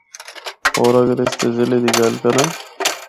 ہور اگر اس دے ضلع دی گل کراں۔